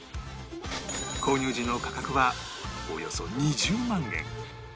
購入時の価格はおよそ２０万円